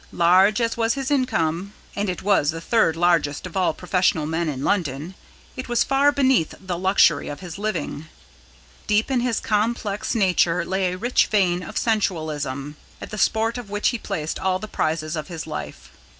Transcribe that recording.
Large as was his income, and it was the third largest of all professional men in London, it was far beneath the luxury of his living. Deep in his complex nature lay a rich vein of sensualism, at the sport of which he placed all the prizes of his life.